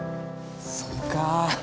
そうか。